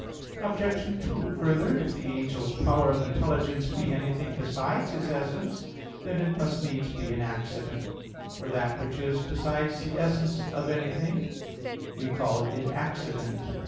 Obj. 2: Further, if the angel's power of intelligence be anything besides his essence, then it must needs be an accident; for that which is besides the essence of anything, we call it accident.